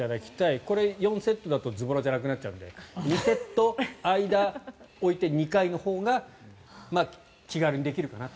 これ、４セットだとずぼらじゃなくなるので２セット、間を置いて２回のほうが気軽にできるかなと。